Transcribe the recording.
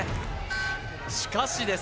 しかしです